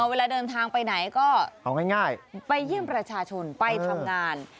เวลาเดินทางไปไหนก็ไปเยี่ยมประชาชนไปทำงานเอาง่าย